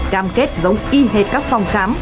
cam kết giống y hệt các phòng khám